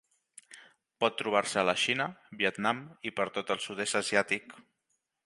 Pot trobar-se a la Xina, Vietnam i per tot el sud-est asiàtic.